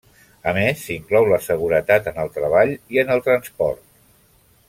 A més s'inclou la seguretat en el treball i en el transport.